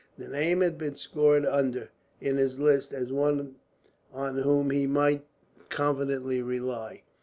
The name had been scored under, in his list, as one on whom he might confidently rely.